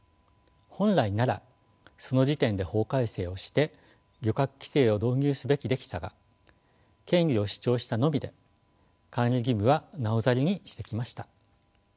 本来ならその時点で法改正をして漁獲規制を導入すべきでしたが権利を主張したのみで管理義務はなおざりにしてきました。